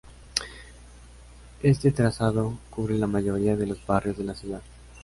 Este trazado cubre la mayoría de los barrios de la ciudad.